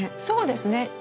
そうですね。